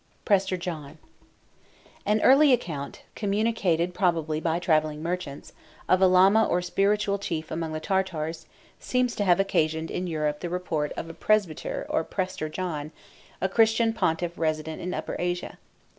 PRESTER JOHN An early account, communicated probably by travelling merchants, of a Lama or spiritual chief among the Tartars, seems to have occasioned in Europe the report of a Presbyter or Prester John, a Christian pontiff resident in Upper Asia.